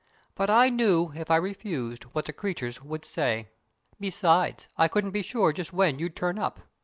But I knew, if I refused, what the creatures would say. Besides, I couldn't be sure just when you'd turn up.